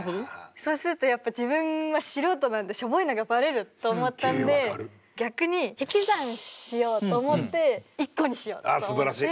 そうするとやっぱ自分は素人なのでしょぼいのがバレると思ったんで逆に引き算しようと思って１個にしようと思って。